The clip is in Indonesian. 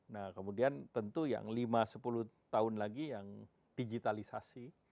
nah kemudian tentu yang lima sepuluh tahun lagi yang digitalisasi